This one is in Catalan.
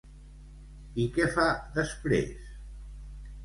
I què fa després?